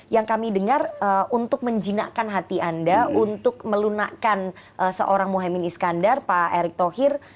yang kami dengar untuk menjinakkan hati anda untuk melunakkan seorang mohaimin iskandar pak erick thohir